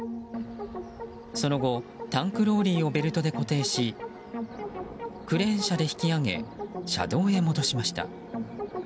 その後、タンクローリーをベルトで固定しクレーン車で引き上げ車道へ戻しました。